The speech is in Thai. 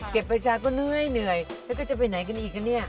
ประชาก็เหนื่อยแล้วก็จะไปไหนกันอีกคะเนี่ย